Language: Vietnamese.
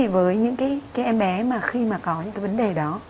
với những em bé khi có những vấn đề đó